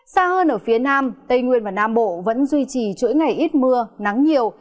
xa hơn ở phía nam tây nguyên và nam bộ vẫn duy trì chuỗi ngày ít mưa nắng nhiều